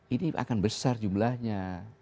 ini akan besar jumlahnya